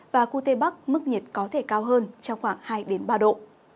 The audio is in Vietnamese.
và khu tây bắc mức nhiệt có thể cao hơn trong khoảng hai ba độ